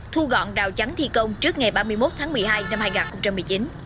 thu gọn đào chắn thi công trước ngày ba mươi một tháng một mươi hai năm hai nghìn một mươi chín